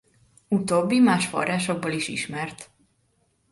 Utóbbi más forrásokból is ismert.